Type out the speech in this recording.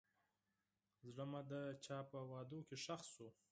زړه مې د چا په وعدو کې ښخ شو.